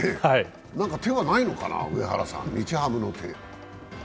何か手はないのかな、日ハムの手。